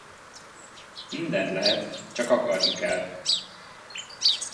Mindent lehet, csak akarni kell.